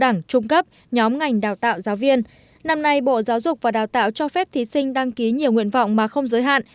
năm nay bộ giáo dục và đào tạo cho phép thí sinh đăng ký nhiều nguyện vọng mà không giới hạn